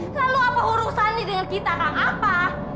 lalu apa urusan ini dengan kita kang apa